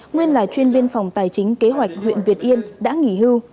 nguyên là chuyên viên phòng tài chính kế hoạch huyện việt yên đã nghỉ hưu